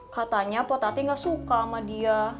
katanya poh tadi gak suka sama dia